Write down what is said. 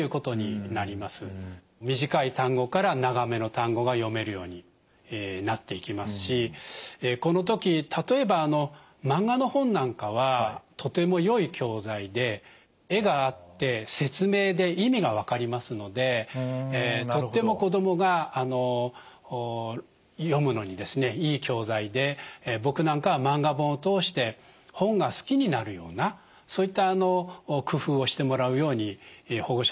短い単語から長めの単語が読めるようになっていきますしこの時例えばマンガの本なんかはとてもよい教材で絵があって説明で意味が分かりますのでとっても子どもが読むのにいい教材で僕なんかはマンガ本を通して本が好きになるようなそういった工夫をしてもらうように保護者さんにはお話をしています。